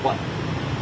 có những cái